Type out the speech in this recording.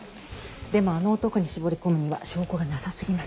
でもあの男に絞り込むには証拠がなさすぎます。